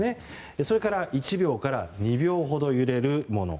それから１秒から２秒ほど揺れるもの。